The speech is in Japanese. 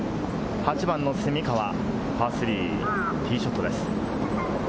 ８番の蝉川、パー３、ティーショットです。